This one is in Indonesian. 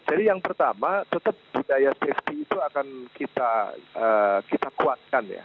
jadi yang pertama tetap budaya safety itu akan kita kuatkan ya